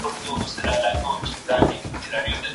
په کورني چاپیریال کي د ماشوم هیله نه وژل کېږي.